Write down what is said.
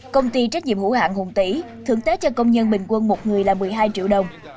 công ty trách nhiệm hữu hạng hùng tỷ thưởng tết cho công nhân bình quân một người là một mươi hai triệu đồng